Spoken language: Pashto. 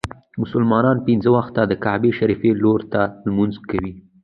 مسلمانان پنځه وخته د کعبې شريفي لوري ته لمونځ کوي.